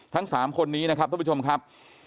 ทั้ง๓คนนี้นะครับท่านผู้ชมครับ